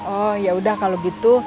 oh yaudah kalau gitu